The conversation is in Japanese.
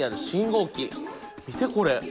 見てこれ。